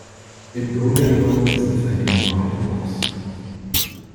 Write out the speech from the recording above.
Im Grunde genommen ist es eine bemalte Box.